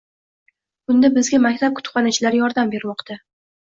Bunda bizga maktab kutubxonachilari yordam bermoqda.